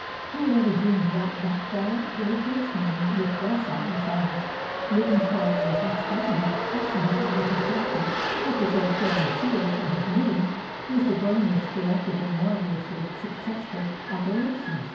Who would ever dream that that quiet, grey faced man with the sightless eyes, living far away up in Scotland, passing his hours of darkness with his old bronze seals or his knitting, was the brain which directed their marvellously successful operations!